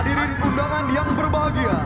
hadirin undangan yang berbahagia